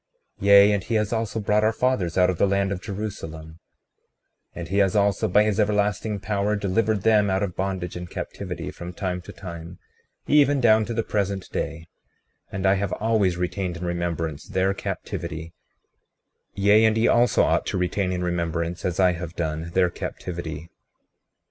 36:29 Yea, and he has also brought our fathers out of the land of Jerusalem; and he has also, by his everlasting power, delivered them out of bondage and captivity, from time to time even down to the present day; and I have always retained in remembrance their captivity; yea, and ye also ought to retain in remembrance, as I have done, their captivity.